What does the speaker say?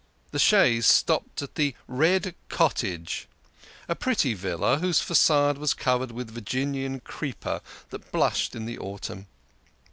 The chaise stopped at " The Red Cottage," a pretty yilla, whose facade was covered with Virginian creeper that blushed in the autumn.